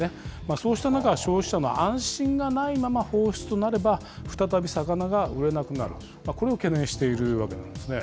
そうした中、消費者の安心がないまま放出となれば、再び魚が売れなくなる、これを懸念しているわけなんですね。